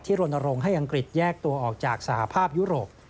ที่โรนโรงให้อังกฤษแยกตัวออกจากสาภาพยุโรป